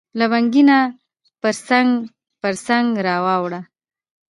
لونګینه پرڅنګ، پرڅنګ را واوړه